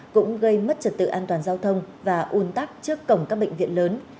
cũng gây mất trật tự an toàn giao thông và un tắc trước cổng các bệnh viện lớn